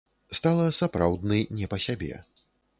Стала сапраўдны не па сябе.